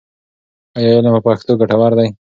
ایا علم په پښتو ګټور دی؟